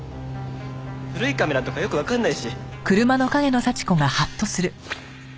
古いカメラとかよくわかんないし。